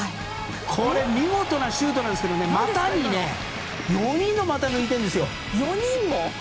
これ見事なシュートなんですけど４人の股を抜いているんですよ。